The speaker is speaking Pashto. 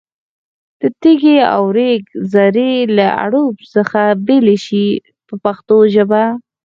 د تېږې او ریګ ذرې له اړوب څخه بېلې شي په پښتو ژبه.